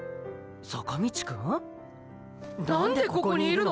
坂道くん？何でここにいるの？